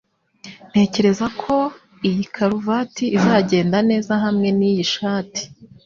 Ntekereza ko iyi karuvati izagenda neza hamwe niyi shati.